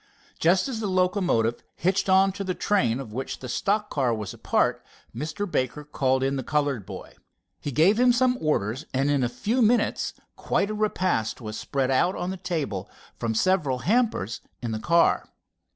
Just as a locomotive hitched onto the train of which the stock car was a part, Mr. Baker called in the colored boy. He gave him some orders, and in a few minutes quite a repast was spread out on the table from several hampers in the car.